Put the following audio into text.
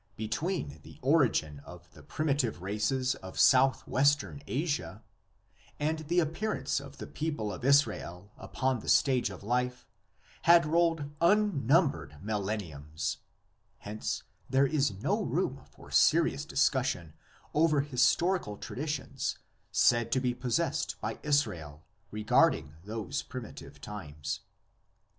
Between the origin of the primi tive races of southwestern Asia and the appearance of the People of Israel upon the stage of life had rolled unnumbered millenniums; hence there is no room for serious discussion over historical traditions said to be possessed by Israel regarding those primitive times.